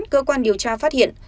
cơ quan điều tra phát hiện